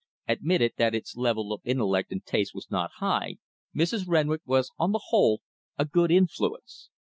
Admitted that its level of intellect and taste was not high, Mrs. Renwick was on the whole a good influence.